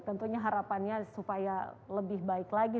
tentunya harapannya supaya lebih baik lagi